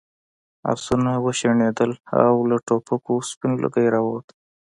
آسونه وشڼېدل او له ټوپکو سپین لوګی راووت.